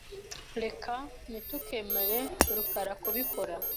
Reka ntitukemere rukara kubikora .